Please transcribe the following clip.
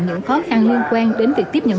những khó khăn liên quan đến việc tiếp nhận